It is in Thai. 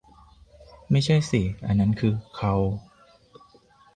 ไม่ใช่สิ อันนั้นคือเคาน์